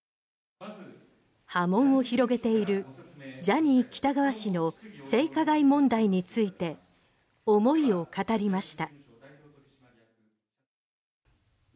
波紋を広げているジャニー喜多川氏の性加害問題について思いを語りました。